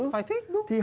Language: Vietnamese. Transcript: phải thích đúng không